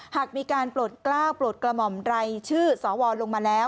หากมีการปลดกล้าวปลดกระหม่อมรายชื่อสวลงมาแล้ว